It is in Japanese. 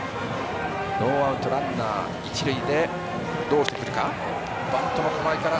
ノーアウト、ランナー、一塁でどうしてくるか。